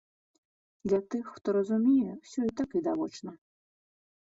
Для тых, хто разумее, усё і так відавочна.